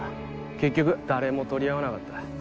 結局誰も取り合わなかった。